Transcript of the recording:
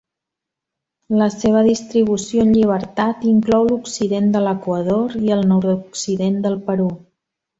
La seva distribució en llibertat inclou l'occident de l'Equador i el nord-occident del Perú.